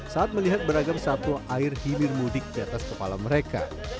saat melihat beragam satu air hibir mudik tersebut